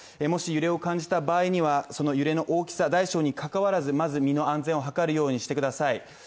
もし、揺れを感じた場合には、その揺れの大きさ大小にかかわらずまず身の安全を図るようにしてください。